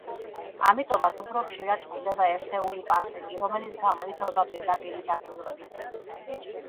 ამიტომაც უფრო ხშირად გვხვდება ერთეული პარსეკი, რომელიც გამოითვლება პირდაპირი დაკვირვებით.